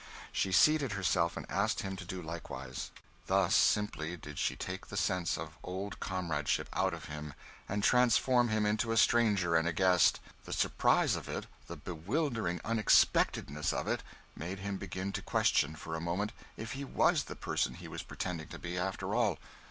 She seated herself, and asked him to do likewise. Thus simply did she take the sense of old comradeship out of him, and transform him into a stranger and a guest. The surprise of it, the bewildering unexpectedness of it, made him begin to question, for a moment, if he was the person he was pretending to be, after all.